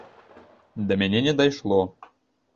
Да мяне не дайшло.